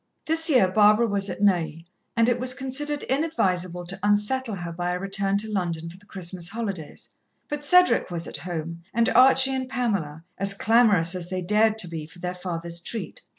This year, Barbara was at Neuilly, and it was considered inadvisable to "unsettle" her by a return to London for the Christmas holidays. But Cedric was at home, and Archie and Pamela, as clamorous as they dared to be for their father's treat.